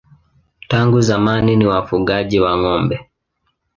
Tangu zamani ni wafugaji wa ng'ombe.